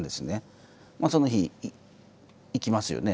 まあその日行きますよね。